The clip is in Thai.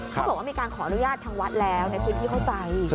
เขาบอกว่ามีการขออนุญาตทางวัดแล้วในพื้นที่เข้าใจ